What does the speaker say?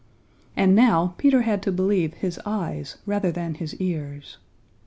And now Peter had to believe his eyes rather than his ears.